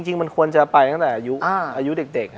จริงมันควรจะไปตั้งแต่อายุเด็ก